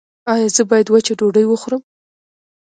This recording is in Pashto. ایا زه باید وچه ډوډۍ وخورم؟